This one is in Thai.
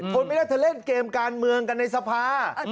ทนไม่ได้ถ้าเล่นเกมการเมืองกันในสภา